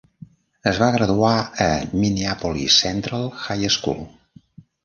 Es va graduar a Minneapolis Central High School.